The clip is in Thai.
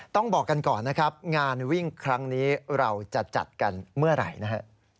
ต้องบอกกันก่อนนะครับงานวิ่งครั้งนี้เราจะจัดกันเมื่อไหร่นะฮะ